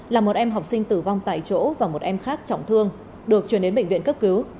là một em học sinh tử vong tại chỗ và một em khác trọng thương được chuyển đến bệnh viện cấp cứu